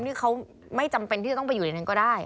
นี่เขาไม่จำเป็นที่จะต้องไปอยู่ในนั้นก็ได้